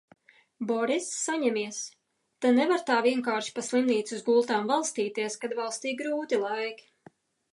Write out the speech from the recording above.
Boriss saņemies, te nevar tā vienkārši pa slimnīcas gultām valstīties, kad valstī grūti laiki!